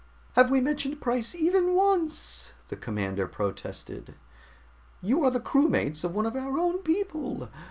"Have we mentioned price even once?" the commander protested. "You are the crewmates of one of our own people!